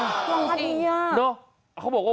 ถูกจริง